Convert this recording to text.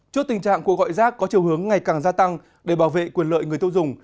trước tình trạng cuộc gọi rác có chiều hướng ngày càng gia tăng để bảo vệ quyền lợi người tiêu dùng